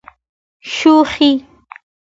شوخي.